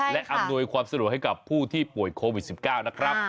และอำนวยความสะดวกให้กับผู้ที่ป่วยโควิด๑๙นะครับ